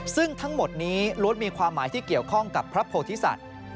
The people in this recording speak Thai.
ซึ่งทั้งหมดนี้ล้วนมีความหมายที่เกี่ยวข้องกับพระโพธิสัตว์